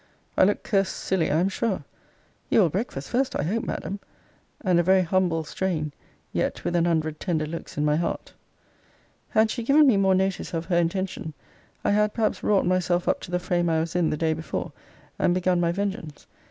I looked cursed silly, I am sure. You will breakfast first, I hope, Madam; and a very humble strain; yet with an hundred tender looks in my heart. Had she given me more notice of her intention, I had perhaps wrought myself up to the frame I was in the day before, and begun my vengeance.